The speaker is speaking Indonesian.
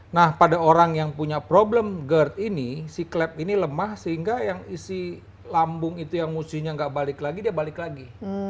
nah pada orang yang punya problem gerd ini si klep ini lemah sehingga yang isi lambung itu yang musuhnya nggak balik lagi dia balik lagi